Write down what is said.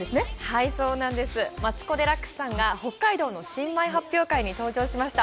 はい、マツコ・デラックスさんが北海道の新米発表会に登場しました。